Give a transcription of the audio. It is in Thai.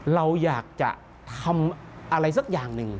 เราอยากจะทำอะไรสักอย่างหนึ่ง